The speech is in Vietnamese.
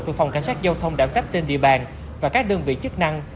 thuộc phòng cảnh sát giao thông đảm trách trên địa bàn và các đơn vị chức năng